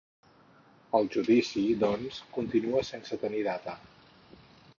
El judici, doncs, continua sense tenir data.